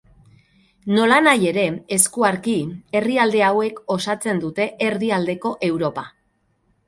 Nolanahi ere, eskuarki, herrialde hauek osatzen dute Erdialdeko Europa.